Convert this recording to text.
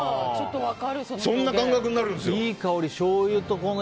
そんな感覚になるんですよ。